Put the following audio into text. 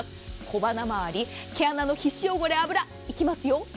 小鼻回り、毛穴の皮脂汚れ、脂行きますよ！